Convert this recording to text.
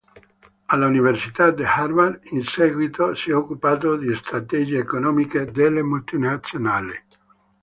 All'Università di Harvard, in seguito, si è occupato di strategie economiche delle multinazionali.